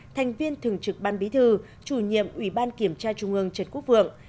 thành viên thường trực ban bí thư chủ nhiệm ủy ban kiểm tra trung ương trần quốc vượng